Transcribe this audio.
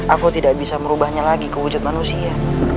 aku tidak bisa merubahnya lagi ke wujud manusia